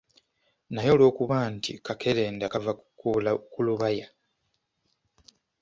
Naye olwokuba nti kakerenda kava ku lubaya.